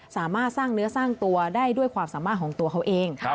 สามารถสร้างเนื้อสร้างตัวได้ด้วยความสามารถของตัวเขาเอง